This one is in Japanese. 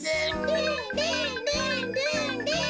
「ルンルンルンルンルン」